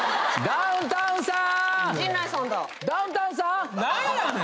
ダウンタウンさん。